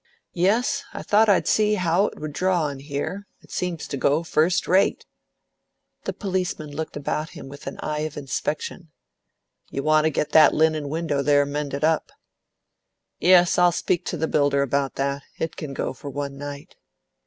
"Yes, I thought I'd see how it would draw, in here. It seems to go first rate." The policeman looked about him with an eye of inspection. "You want to get that linen window, there, mended up." "Yes, I'll speak to the builder about that. It can go for one night."